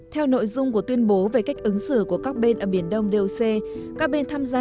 theo nội dung của tuyên bố về cách ứng xử của các bên ở biển đông doc các bên tham gia